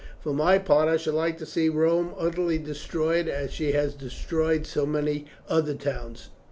For my part I should like to see Rome utterly destroyed, as she has destroyed so many other towns."